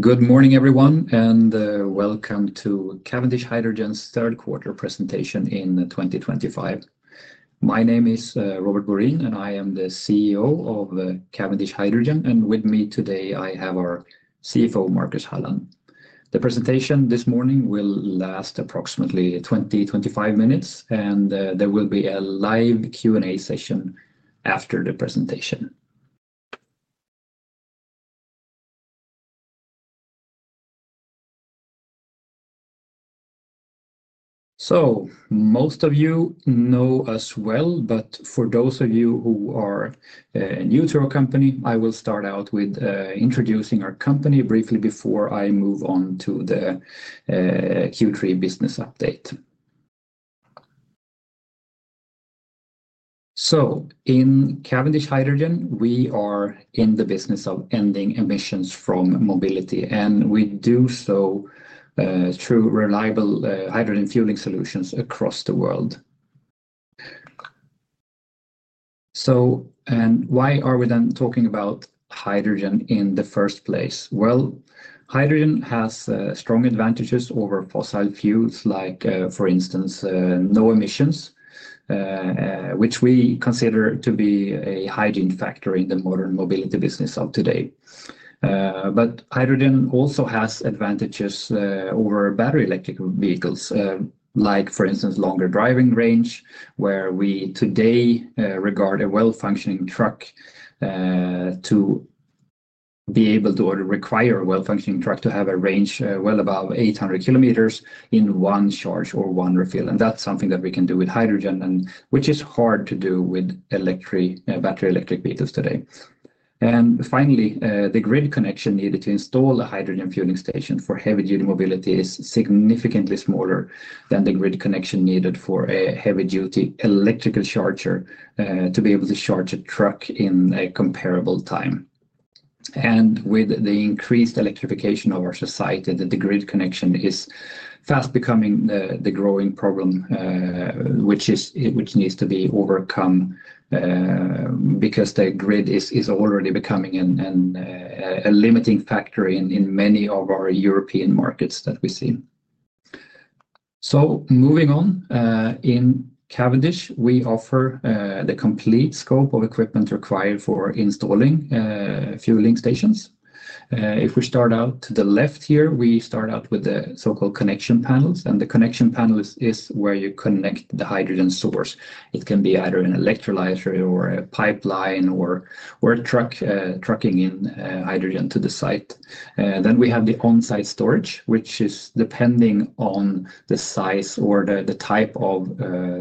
Good morning, everyone, and welcome to Cavendish Hydrogen's third quarter presentation in 2025. My name is Robert Borin, and I am the CEO of Cavendish Hydrogen. With me today, I have our CFO, Marcus Halland. The presentation this morning will last approximately 20-25 minutes, and there will be a live Q&A session after the presentation. Most of you know us well, but for those of you who are new to our company, I will start out with introducing our company briefly before I move on to the Q3 business update. In Cavendish Hydrogen, we are in the business of ending Emissions from Mobility, and we do so through reliable Hydrogen Fueling Solutions across the world. And why are we then talking about Hydrogen in the first place? Hydrogen has strong advantages over Fossil Fuels, like, for instance, no Emissions, which we consider to be a Hygiene Factor in the modern mobility business of today. Hydrogen also has advantages over Battery Electric Vehicles, like, for instance, longer Driving Range, where we today regard a well-functioning Truck to be able to require a well-functioning Truck to have a range well above 800 km in one charge or one refill. That is something that we can do with Hydrogen, which is hard to do with battery electric vehicles today. Finally, the grid connection needed to install a Hydrogen fueling station for heavy-duty mobility is significantly smaller than the grid connection needed for a Heavy-duty Electrical Charger to be able to charge a Truck in a comparable time. With the increased electrification of our society, the grid connection is fast becoming the growing problem, which needs to be overcome because the grid is already becoming a limiting factor in many of our European Markets that we see. Moving on, in Cavendish, we offer the complete scope of Equipment required for installing Fueling Stations. If we start out to the left here, we start out with the so-called Connection Panels, and the connection panel is where you connect the Hydrogen Source. It can be either an Electrolyzer or a pipeline or a Truck trucking in Hydrogen to the site. We have the on-site storage, which is depending on the size or the type of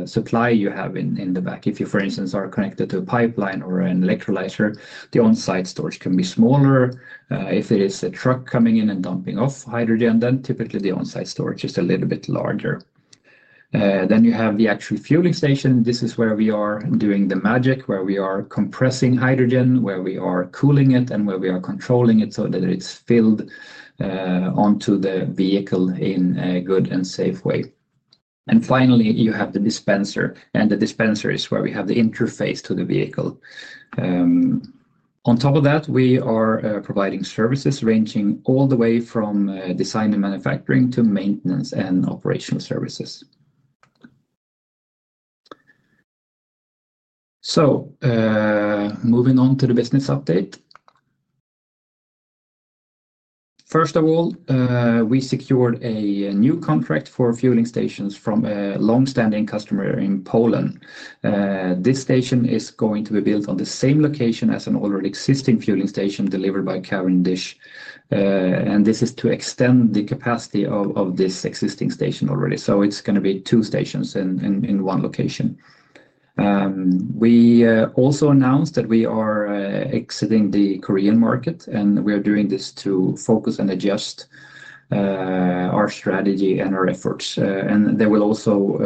supply you have in the back. If you, for instance, are connected to a pipeline or an Electrolyzer, the on-site storage can be smaller. If it is a Truck coming in and dumping off Hydrogen, then typically the on-site storage is a little bit larger. You have the actual Fueling Station. This is where we are doing the magic, where we are compressing Hydrogen, where we are cooling it, and where we are controlling it so that it's filled onto the vehicle in a good and safe way. Finally, you have the Dispenser, and the Dispenser is where we have the interface to the vehicle. On top of that, we are providing services ranging all the way from design and manufacturing to maintenance and operational services. Moving on to the business update. First of all, we secured a new contract for Fueling Stations from a long-standing customer in Poland. This Station is going to be built on the same location as an already existing fueling station delivered by Cavendish, and this is to extend the capacity of this existing station already. It is going to be two Stations in one location. We also announced that we are exiting the Korean Market, and we are doing this to focus and adjust our strategy and our efforts. This will also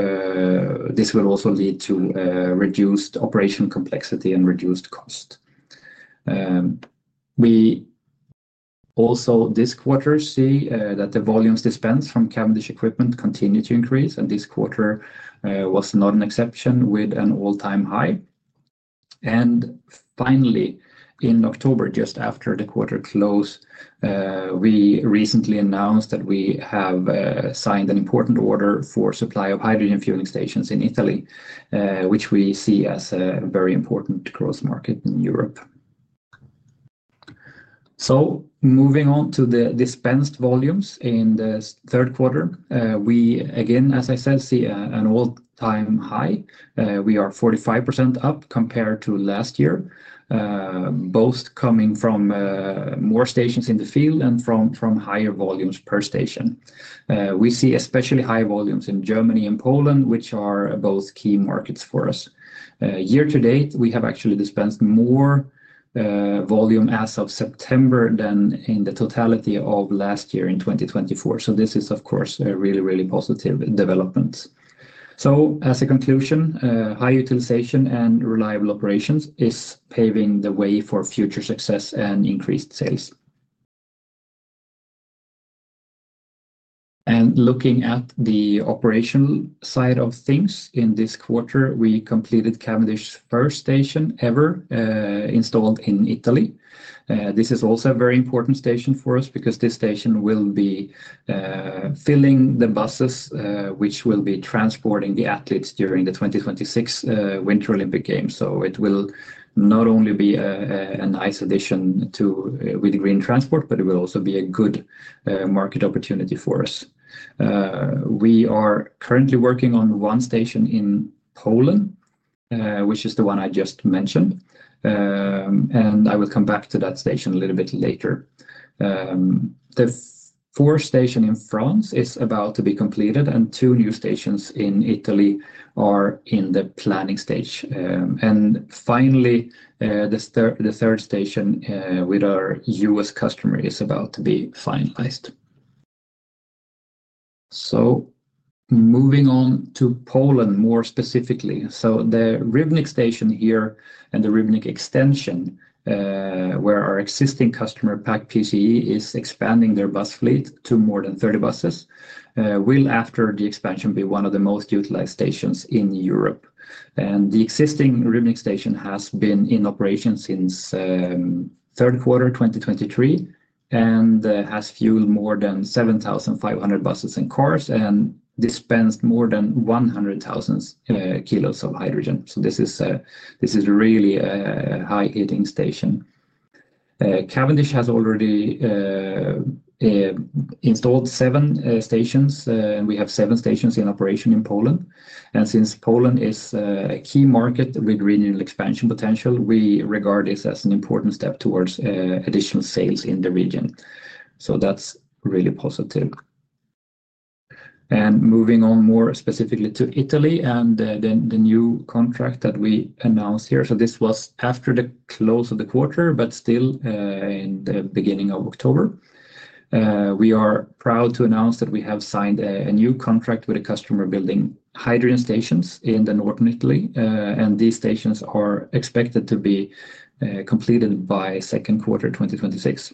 lead to reduced Operational Complexity and Reduced Cost. We also this quarter see that the volumes dispensed from Cavendish Equipment continue to increase, and this quarter was not an exception with an all-time high. Finally, in October, just after the quarter close, we recently announced that we have signed an important order for supply of Hydrogen Fueling Stations in Italy, which we see as a very important growth market in Europe. Moving on to the Dispensed Volumes in the third quarter, we again, as I said, see an all-time high. We are 45% up compared to last year, both coming from more Stations in the field and from higher volumes per station. We see especially high volumes in Germany and Poland, which are both Key Markets for us. Year to date, we have actually Dispensed more volume as of September than in the totality of last year in 2024. This is, of course, a really, really positive development. As a conclusion, high utilization and reliable operations is paving the way for future success and Increased Sales. Looking at the operational side of things in this quarter, we completed Cavendish's First Station ever installed in Italy. This is also a very important station for us because this station will be filling the buses which will be transporting the Athletes during the 2026 Winter Olympic Games. It will not only be a nice addition with green transport, but it will also be a good market opportunity for us. We are currently working on one station in Poland, which is the one I just mentioned, and I will come back to that station a little bit later. The fourth Station in France is about to be completed, and two new Stations in Italy are in the planning stage. Finally, the third station with our U.S. customer is about to be finalized. Moving on to Poland more specifically. The Rybnik Station here and the Rybnik Extension, where our existing customer PAK-PCE is expanding their Bus Fleet to more than 30 Buses, will, after the expansion, be one of the most utilized Stations in Europe. The existing Rybnik Station has been in operation since third quarter 2023 and has fueled more than 7,500 Buses and Cars and Dispensed more than 100,000 kilos of Hydrogen. This is really a high-hitting station. Cavendish has already installed seven Stations, and we have seven Stations in Operation in Poland. Since Poland is a key market with regional expansion potential, we regard this as an important step towards additional sales in the region. That is really positive. Moving on more specifically to Italy and the new contract that we announced here. This was after the close of the quarter, but still in the beginning of October. We are proud to announce that we have signed a new contract with a customer building Hydrogen Stations in northern Italy, and these Stations are expected to be completed by the second quarter 2026.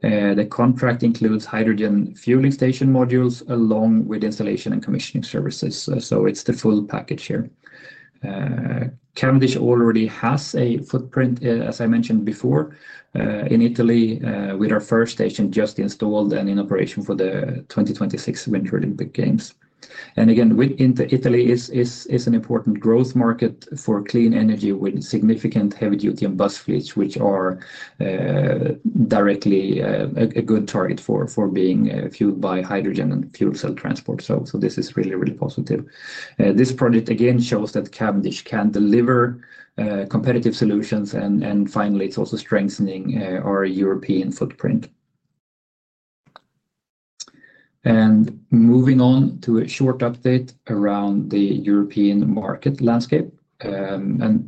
The contract includes Hydrogen Fueling Station modules along with Installation and Commissioning Services. It is the full package here. Cavendish already has a footprint, as I mentioned before, in Italy with our first station just installed and in operation for the 2026 Winter Olympic Games. Italy is an important growth market for clean energy with significant heavy-duty and Bus Fleets, which are directly a good target for being fueled by Hydrogen and Fuel Cell Transport. This is really, really positive. This project, again, shows that Cavendish can deliver competitive solutions, and finally, it is also strengthening our European Footprint. Moving on to a short update around the European Market Landscape.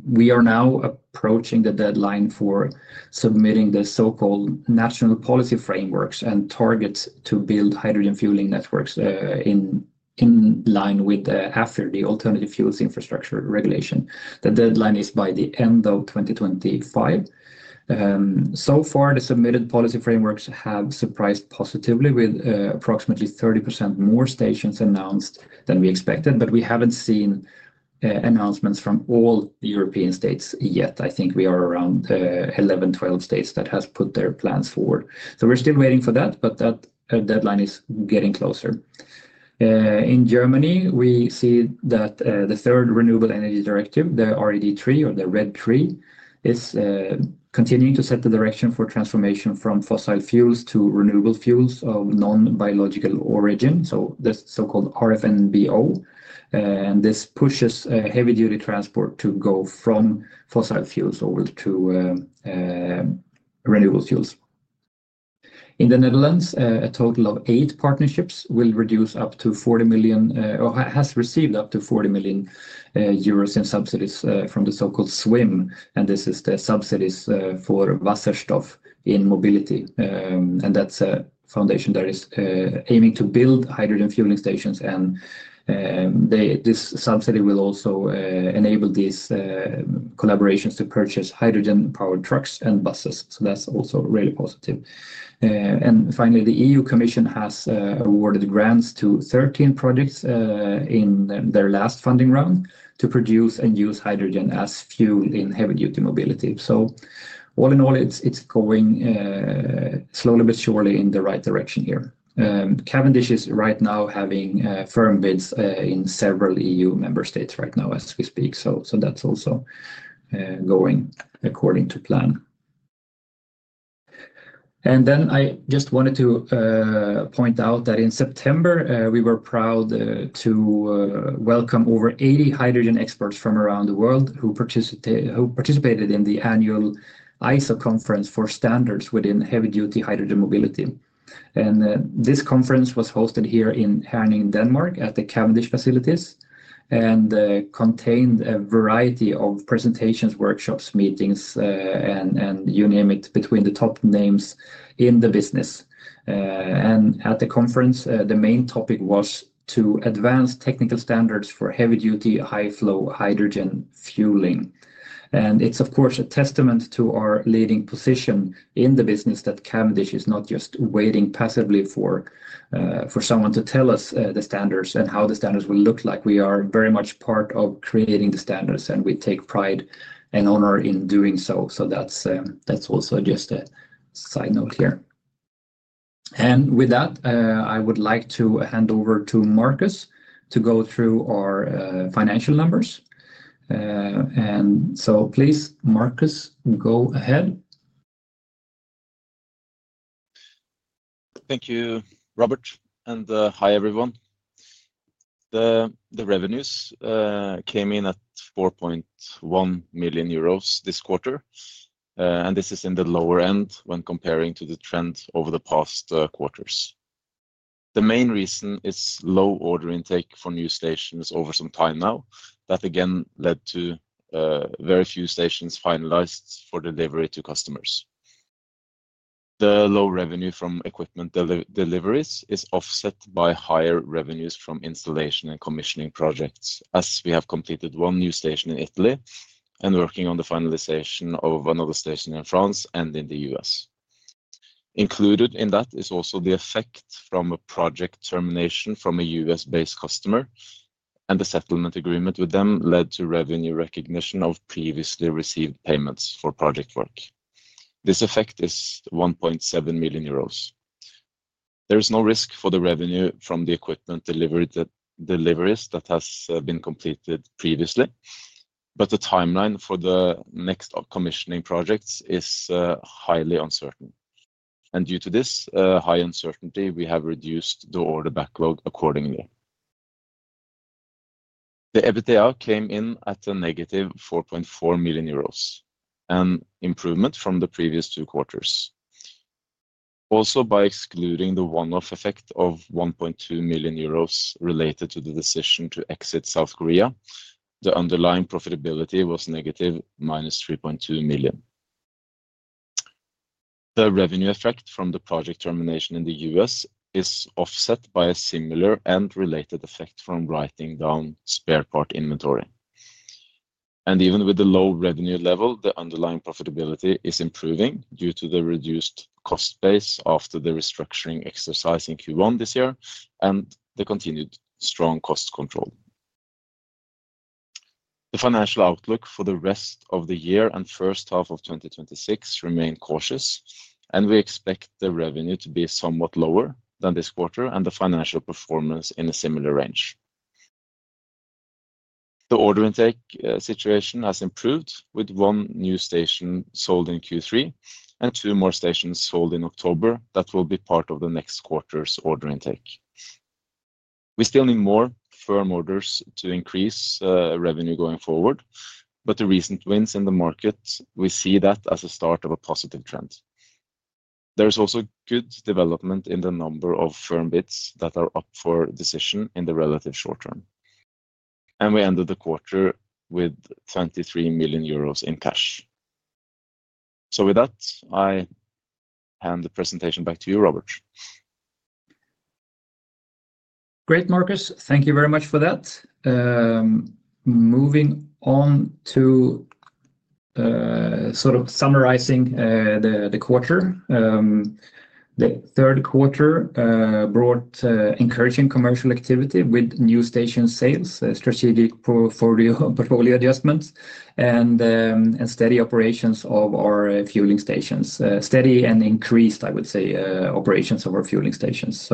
We are now approaching the deadline for submitting the so-called National Policy Frameworks and targets to build Hydrogen Fueling networks in line with the Alternative Fuels Infrastructure Regulation. The deadline is by the end of 2025. So far, the submitted Policy Frameworks have surprised positively with approximately 30% more Stations announced than we expected, but we have not seen announcements from all European States yet. I think we are around 11-12 States that have put their plans forward. We are still waiting for that, but that deadline is getting closer. In Germany, we see that the third Renewable Energy Directive, the RED3 or the Red three, is continuing to set the direction for transformation from fossil fuels to Renewable Fuels of Non-Biological Origin, so the so-called RFNBO. This pushes heavy-duty transport to go from Fossil Fuels over to Renewable Fuels. In the Netherlands, a total of eight partnerships will reduce up to 40 million or has received up to 40 million euros in subsidies from the so-called SWIM, and this is the subsidies for Wasserstoff in Mobility. That is a foundation that is aiming to build Hydrogen Fueling Stations, and this subsidy will also enable these collaborations to purchase Hydrogen-Powered Trucks and Buses. That is also really positive. Finally, the EU Commission has awarded grants to 13 Projects in their last funding round to produce and use Hydrogen as fuel in heavy-duty mobility. All in all, it is going slowly but surely in the right direction here. Cavendish is right now having firm bids in several EU Member States right now as we speak. That is also going according to plan. I just wanted to point out that in September, we were proud to welcome over 80 Hydrogen Experts from around the world who participated in the Annual ISO Conference for standards within heavy-duty Hydrogen Mobility. This conference was hosted here in Herning, Denmark, at the Cavendish facilities and contained a variety of presentations, workshops, meetings, and you name it, between the top names in the business. At the conference, the main topic was to Advance Technical Standards for heavy-duty high-flow Hydrogen Fueling. It is, of course, a testament to our leading position in the business that Cavendish is not just waiting passively for someone to tell us the standards and how the standards will look like. We are very much part of creating the standards, and we take pride and honor in doing so. That is also just a side note here. With that, I would like to hand over to Marcus to go through our Financial Numbers. Please, Marcus, go ahead. Thank you, Robert. Hi, everyone. The revenues came in at 4.1 million euros this quarter, and this is in the lower end when comparing to the trend over the past quarters. The main reason is low order intake for new Stations over some time now. That, again, led to very few Stations finalized for delivery to customers. The low revenue from equipment deliveries is offset by higher revenues from Installation and Commissioning Projects, as we have completed one new station in Italy and are working on the finalization of another station in France and in the U.S. Included in that is also the effect from a Project Termination from a U.S.-based customer, and the settlement agreement with them led to revenue recognition of previously received payments for project work. This effect is 1.7 million euros. There is no risk for the revenue from the equipment deliveries that has been completed previously, but the timeline for the next commissioning projects is highly uncertain. Due to this high uncertainty, we have reduced the order backlog accordingly. The EBITDA came in at a negative 4.4 million euros, an improvement from the previous two quarters. Also, by excluding the one-off effect of 1.2 million euros related to the decision to exit South Korea, the underlying profitability was negative minus 3.2 million. The revenue effect from the project termination in the U.S. is offset by a similar and related effect from writing down spare part inventory. Even with the low revenue level, the underlying profitability is improving due to the Reduced Cost base after the restructuring exercise in Q1 this year and the continued strong Cost Control. The Financial Outlook for the rest of the year and first half of 2026 remains cautious, and we expect the revenue to be somewhat lower than this quarter and the financial performance in a similar range. The order intake situation has improved with one new station sold in Q3 and two more Stations sold in October that will be part of the next quarter's order intake. We still need more firm orders to increase revenue going forward, but the recent wins in the market, we see that as a start of a positive trend. There is also good development in the number of firm bids that are up for decision in the relatively short term. We ended the quarter with 23 million euros in cash. With that, I hand the presentation back to you, Robert. Great, Marcus. Thank you very much for that. Moving on to sort of summarizing the quarter, the third quarter brought encouraging commercial activity with new Station Sales, Strategic Portfolio adjustments, and Steady Operations of our Fueling Stations. Steady and increased, I would say, operations of our Fueling Stations.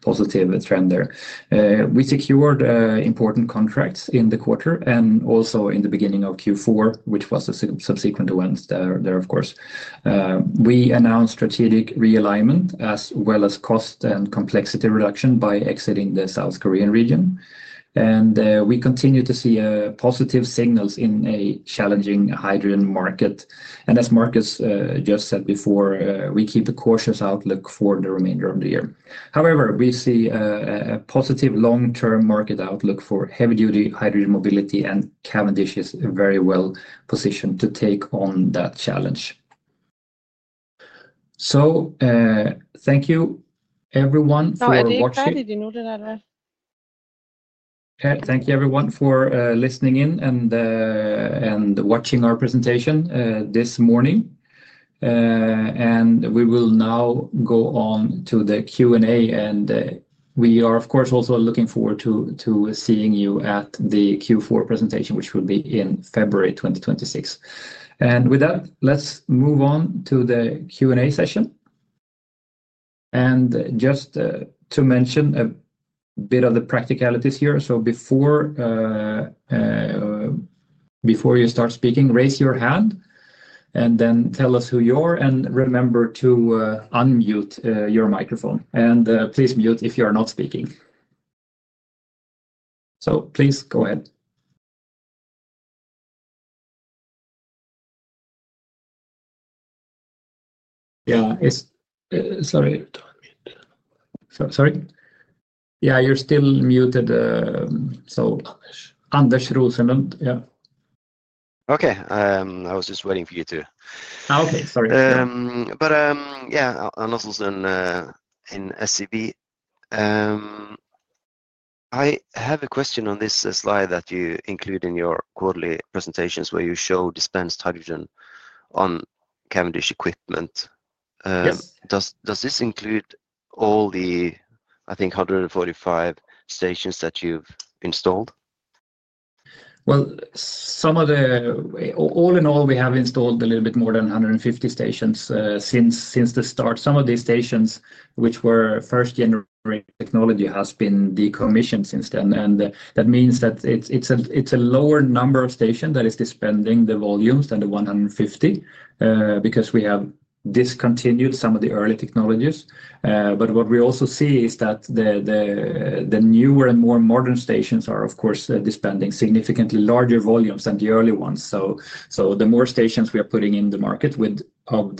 Positive trend there. We secured important Contracts in the quarter and also in the beginning of Q4, which was the subsequent ones there, of course. We announced strategic realignment as well as cost and complexity reduction by exiting the South Korean Region. We continue to see positive signals in a challenging Hydrogen Market. As Marcus just said before, we keep a cautious outlook for the remainder of the year. However, we see a positive long-term market outlook for heavy-duty Hydrogen mobility, and Cavendish is very well positioned to take on that challenge. Thank you, everyone, for watching. Thank you, everyone, for listening in and watching our presentation this morning. We will now go on to the Q&A, and we are, of course, also looking forward to seeing you at the Q4 presentation, which will be in February 2026. With that, let's move on to the Q&A session. Just to mention a bit of the practicalities here. Before you start speaking, raise your hand and then tell us who you are, and remember to unmute your microphone. Please mute if you are not speaking. Please go ahead. Yeah, sorry. Yeah, you're still muted. Anders Rosenlund. Yeah. Okay. I was just waiting for you to. Okay. Sorry. But yeah, Anders Rosenlund in SCB. I have a question on this slide that you include in your quarterly presentations where you show dispensed Hydrogen on Cavendish equipment. Does this include all the, I think, 145 Stations that you've installed? All in all, we have installed a little bit more than 150 Stations since the start. Some of these Stations, which were first generation technology, have been decommissioned since then. That means that it's a lower number of Stations that is dispensing the volumes than the 150 because we have discontinued some of the early technologies. What we also see is that the newer and more modern Stations are, of course, dispensing significantly larger volumes than the early ones. The more Stations we are putting in the market with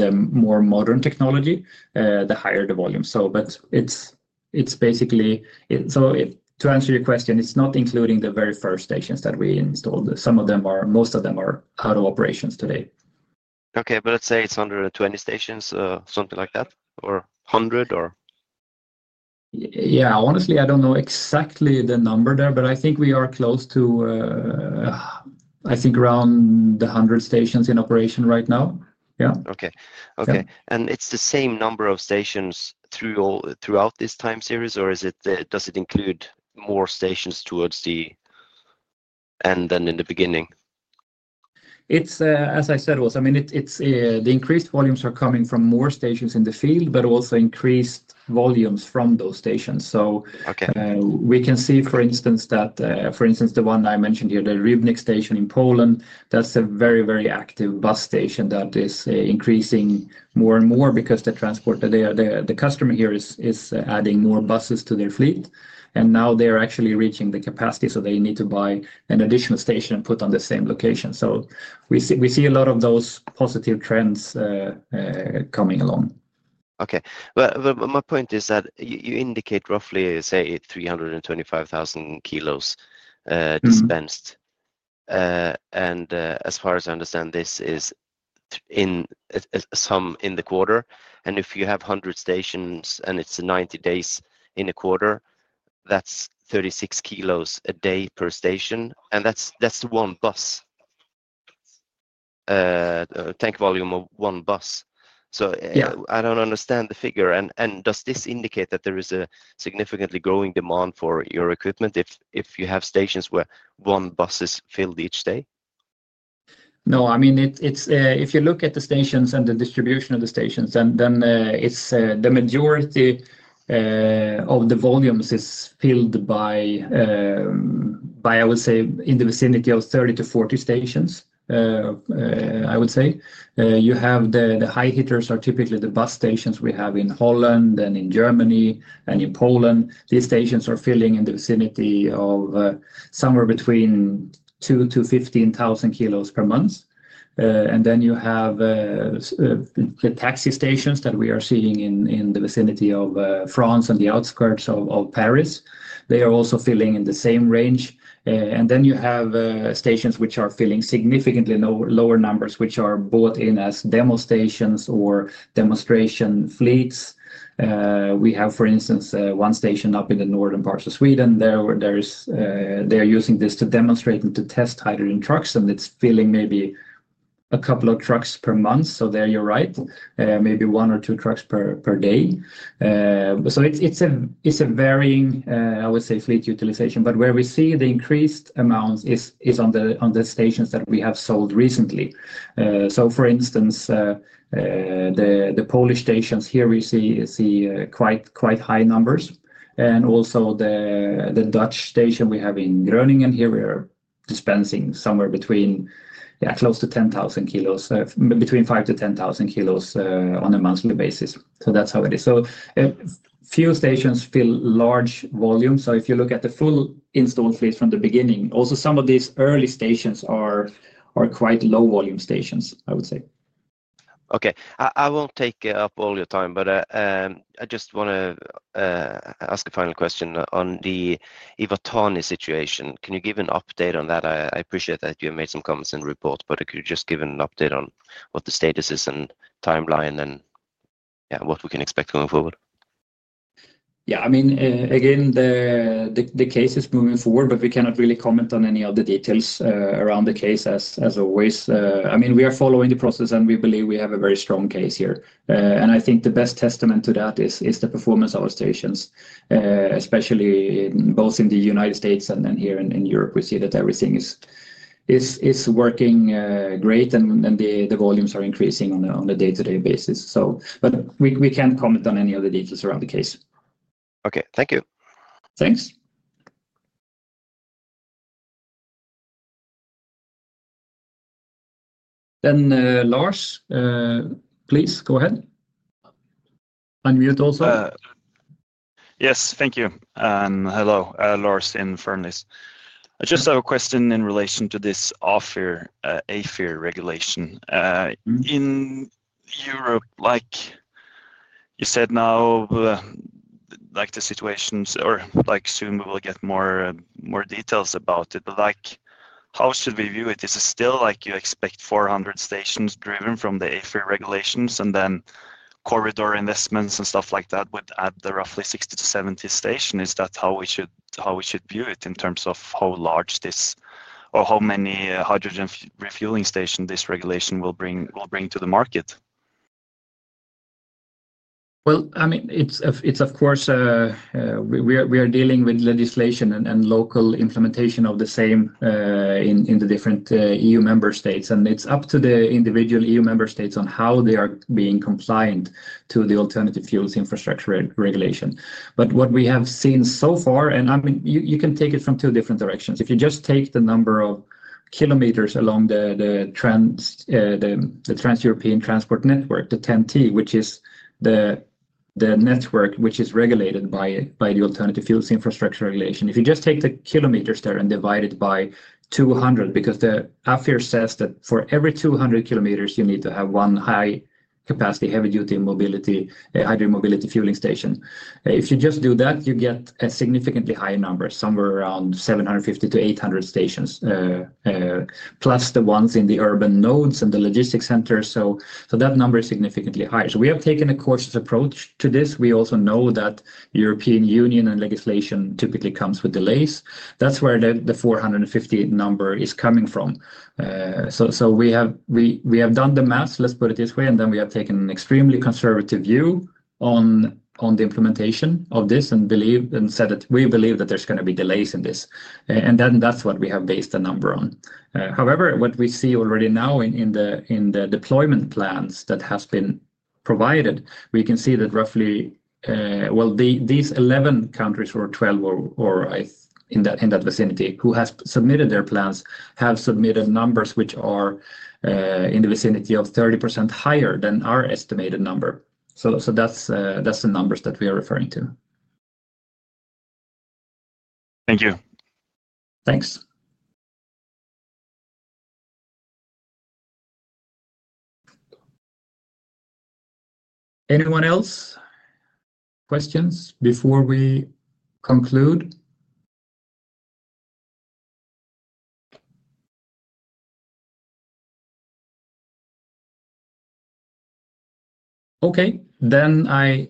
more modern technology, the higher the volume. It's basically, to answer your question, it's not including the very first Stations that we installed. Some of them, most of them are out of operations today. Okay. Let's say it's 120 Stations, something like that, or 100, or? Yeah, honestly, I don't know exactly the number there, but I think we are close to, I think, around 100 Stations in operation right now. Yeah. Okay. Okay. Is it the same number of Stations throughout this time series, or does it include more Stations towards the end than in the beginning? As I said, the Increased Volumes are coming from more Stations in the field, but also Increased Volumes from those Stations. We can see, for instance, that the one I mentioned here, the Rybnik Station in Poland, that's a very, very active bus station that is increasing more and more because the customer here is adding more buses to their fleet. Now they're actually reaching the capacity, so they need to buy an additional Station and put it on the same location. We see a lot of those positive trends coming along. Okay. My point is that you indicate roughly, say, 325,000 kilos dispensed. As far as I understand, this is some in the quarter. If you have 100 Stations and it's 90 days in a quarter, that's 36 kilos a day per station. That's one Bus, Tank Volume of one Bus. I don't understand the figure. Does this indicate that there is a significantly growing demand for your equipment if you have Stations where one Bus is filled each day? No, I mean, if you look at the Stations and the distribution of the Stations, then the majority of the volumes is filled by, I would say, in the vicinity of 30-40 Stations, I would say. You have the high hitters are typically the bus Stations we have in Holland and in Germany and in Poland. These Stations are filling in the vicinity of somewhere between 2,000-15,000 kilos per month. You have the taxi Stations that we are seeing in the vicinity of France and the outskirts of Paris. They are also filling in the same range. You have Stations which are filling significantly lower numbers, which are bought in as demo Stations or demonstration Fleets. We have, for instance, one Station up in the Northern parts of Sweden. They're using this to demonstrate and to test Hydrogen trucks, and it's filling maybe a couple of trucks per month. There you're right, maybe one or two Trucks per day. It's a varying, I would say, Fleet Utilization. Where we see the increased amounts is on the Stations that we have sold recently. For instance, the Polish Stations here, we see quite high numbers. Also the Dutch Station we have in Groningen here, we are dispensing somewhere between, yeah, close to 5,000-10,000 kilos on a monthly basis. That's how it is. Fuel Stations fill large volumes. If you look at the full installed Fleet from the beginning, also some of these early Stations are quite low volume Stations, I would say. Okay. I won't take up all your time, but I just want to ask a final question on the Iwatani situation. Can you give an update on that? I appreciate that you have made some comments in the report, but could you just give an update on what the status is and timeline and what we can expect going forward? Yeah, I mean, again, the case is moving forward, but we cannot really comment on any of the details around the case as always. I mean, we are following the process, and we believe we have a very strong case here. I think the best testament to that is the performance of our Stations, especially both in the United States and then here in Europe. We see that everything is working great, and the volumes are increasing on a day-to-day basis. We can't comment on any of the details around the case. Okay. Thank you. Thanks. Lars, please go ahead. Unmute also. Yes. Thank you. Hello, Lars in Furnis. I just have a question in relation to this AFIR Regulation. In Europe, like you said now, like the situations, or soon we will get more details about it, but how should we view it? Is it still like you expect 400 Stations driven from the AFIR Regulations, and then Corridor Investments and stuff like that would add roughly 60-70 Stations? Is that how we should view it in terms of how large this or how many Hydrogen Refueling Stations this regulation will bring to the market? I mean, it's, of course, we are dealing with legislation and local implementation of the same in the different EU Member States. It is up to the individual EU Member States on how they are being compliant to the alternative Fuels Infrastructure Regulation. What we have seen so far, and I mean, you can take it from two different directions. If you just take the number of km along the Trans-European Transport Network, the TEN-T, which is the network regulated by the alternative fuels infrastructure regulation, if you just take the km there and divide it by 200, because the AFIR says that for every 200 km, you need to have one high-capacity, heavy-duty Hydrogen Mobility Fueling Station. If you just do that, you get a significantly higher number, somewhere around 750-800 Stations, plus the ones in the Urban Nodes and the logistics centers. That number is significantly higher. We have taken a cautious approach to this. We also know that the European Union and legislation typically comes with delays. That is where the 450 number is coming from. We have done the math, let us put it this way, and then we have taken an extremely conservative view on the implementation of this and said that we believe that there is going to be delays in this. That is what we have based the number on. However, what we see already now in the Deployment Plans that have been provided, we can see that roughly, these 11 countries or 12 or in that vicinity who have submitted their plans have submitted numbers which are in the vicinity of 30% higher than our Estimated Number. That is the numbers that we are referring to. Thank you. Thanks. Anyone else? Questions before we conclude? Okay. I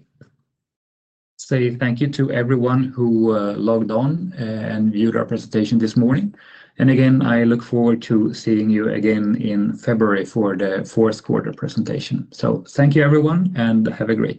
say thank you to everyone who logged on and viewed our presentation this morning. Again, I look forward to seeing you again in February for the fourth quarter presentation. Thank you, everyone, and have a great day.